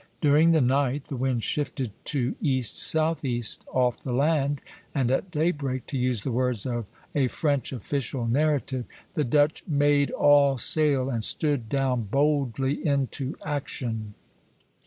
During the night the wind shifted to east southeast off the land, and at daybreak, to use the words of a French official narrative, the Dutch "made all sail and stood down boldly into action."